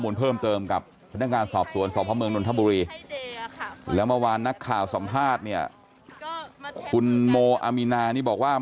แล้วเมื่อวานนักข่าวสัมภาษณ์คุณโมอามินานี่บอกว่า